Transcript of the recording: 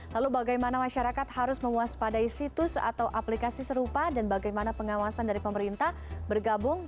lalu bagaimana masyarakat harus mewaspadai situs atau aplikasi serupa dan bagaimana pengawasan dari pemerintah bergabung